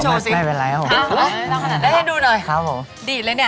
เราต่อไปไหนเราก็เล่นกับพี่ก้าวสิเล่นยังไง